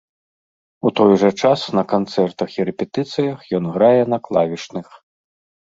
У той жа час на канцэртах і рэпетыцыях ён грае на клавішных.